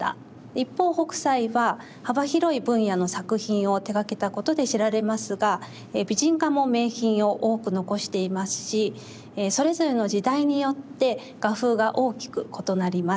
一方北斎は幅広い分野の作品を手がけたことで知られますが美人画も名品を多く残していますしそれぞれの時代によって画風が大きく異なります。